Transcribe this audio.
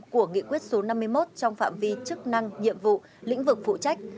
của nghị quyết số năm mươi một trong phạm vi chức năng nhiệm vụ lĩnh vực phụ trách